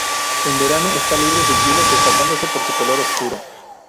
En verano está libre de hielos, destacándose por su color oscuro.